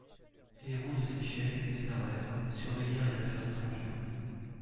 Hérault de Séchelles et Barère surveillèrent les affaires étrangères.